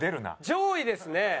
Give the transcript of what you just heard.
上位ですね。